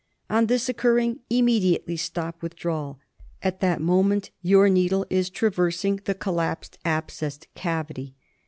On this occurring, immediately stop with drawal. At that moment your needle is traversing the collapsed abscess cavity.